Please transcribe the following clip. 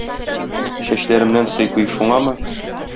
Чәчләремнән сыйпый шуңамы?